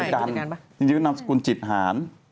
จริงนั่มสกุลจิตหาร